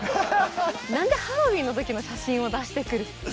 なんでハロウィーンの時の写真を出してくる？